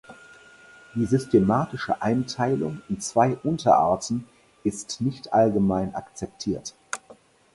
Die systematische Einteilung in zwei Unterarten ist nicht allgemein akzeptiert.